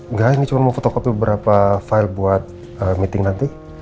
enggak ini cuma mau fotokopi beberapa file buat meeting nanti